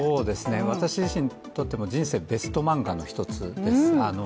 私自身にとっても人生ベスト漫画の一つです。